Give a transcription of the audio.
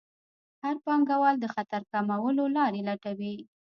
هر پانګوال د خطر کمولو لارې لټوي.